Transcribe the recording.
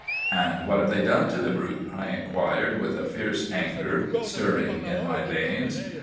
"'And what have they done to the brute?' I inquired, with a fierce anger stirring in my veins.